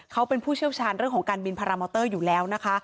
เขาเป็นผู้เชี่ยวชาญเรื่องของการบินพารามอเตอร์อยู่แล้วนะคะ